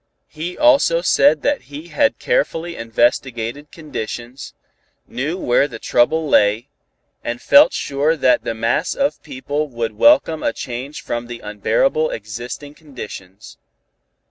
He also said that he had carefully investigated conditions, knew where the trouble lay, and felt sure that the mass of people would welcome a change from the unbearable existing conditions.